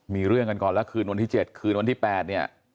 มีเรื่องกันก่อนแล้วคืนวันที่๗คืนวันที่๘เนี่ย